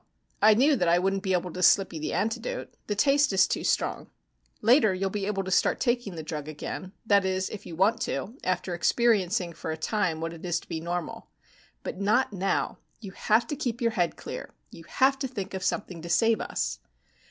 I knew that I wouldn't be able to slip you the antidote. The taste is too strong. Later you'll be able to start taking the drug again. That is, if you want to, after experiencing for a time what it is to be normal. But not now. You have to keep your head clear. You have to think of something to save us."